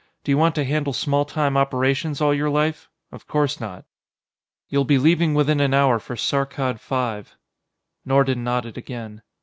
Do you want to handle small time operations all your life? Of course not. "You'll be leaving within an hour for Saarkkad V." Nordon nodded again.